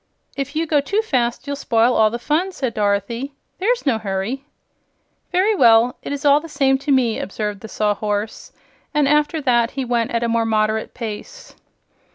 "If you go too fast you'll spoil all the fun," said Dorothy. "There's no hurry." "Very well; it is all the same to me," observed the Sawhorse; and after that he went at a more moderate pace.